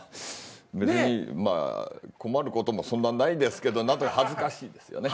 別にまあ困ることもそんなないですけど恥ずかしいですよね。